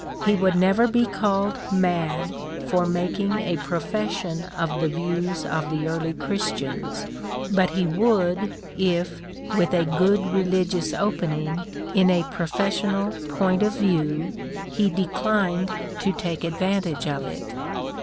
He would never be called mad for making a profession of the views of the early Christians; but he would if, with a good religious opening in a professional point of view, he declined to take advantage of it.